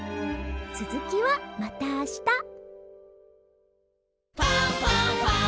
つづきはまたあした「ファンファンファン」